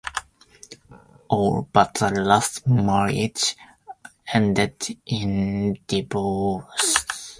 All but the last marriage ended in divorce.